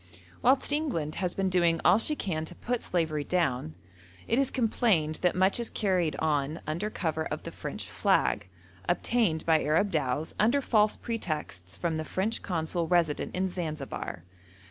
Whilst England has been doing all she can to put slavery down, it is complained that much is carried on under cover of the French flag, obtained by Arab dhows under false pretexts from the French Consul resident in Zanzibar.